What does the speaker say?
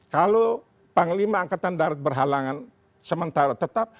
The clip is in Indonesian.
kalau panglima angkatan darat berhalangan sementara tetap